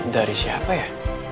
dari siapa ya